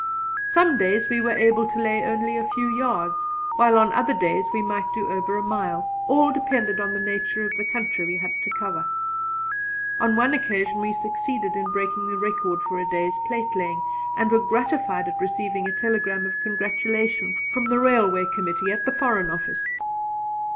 Some days we were able to lay only a few yards, while on other days we might do over a mile; all depended on the nature of the country we had to cover. On one occasion we succeeded in breaking the record for a day's platelaying, and were gratified at receiving a telegram of congratulation from the Railway Committee at the Foreign Office.